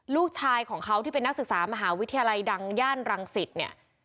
ลูกชายของเขาที่เป็นนักศึกษามหาวิทยาลัยดังย่านรังสิตเนี่ย